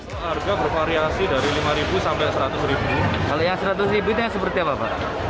harga bervariasi dari lima ribu sampai seratus ribu kalau yang seratus ribu seperti apa pak